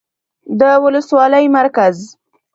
، د ولسوالۍ مرکز